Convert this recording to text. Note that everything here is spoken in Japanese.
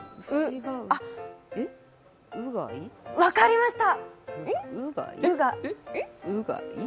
あっ、分かりました。